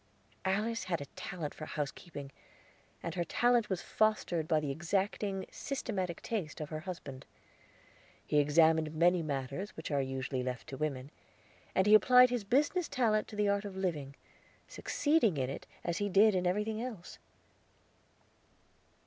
Alice had a talent for housekeeping, and her talent was fostered by the exacting, systematic taste of her husband. He examined many matters which are usually left to women, and he applied his business talent to the art of living, succeeding in it as he did in everything else.